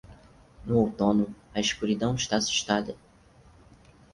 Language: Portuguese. No outono, a escuridão está assustada.